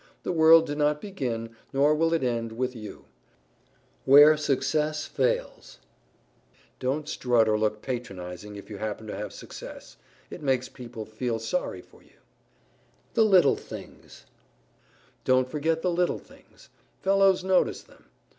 The World did not begin, nor will it end, with you. [Sidenote: WHERE SUCCESS FAILS] Don't strut or look patronizing, if you happen to have success; it makes people feel sorry for you. [Sidenote: THE LITTLE THINGS] Don't forget the little things; fellows notice them.